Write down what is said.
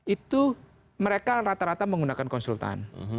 itu mereka rata rata menggunakan konsultan